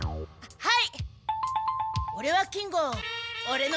はい。